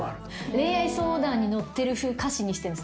恋愛相談に乗ってるふう歌詞にしてんですね。